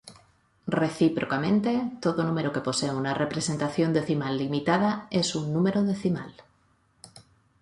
Recíprocamente: todo número que posee una representación decimal limitada, es un número decimal.